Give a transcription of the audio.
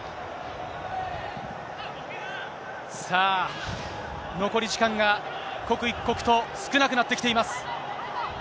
さあ、残り時間が刻一刻と少なくなってきています。